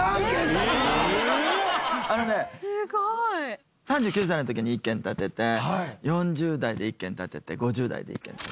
すごい！３９歳の時に１軒建てて４０代で１軒建てて５０代で１軒建てた。